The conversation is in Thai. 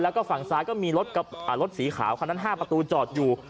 แล้วก็ฝั่งซ้ายก็มีรถสีขาวคันนั้น๕ประตูจอดอยู่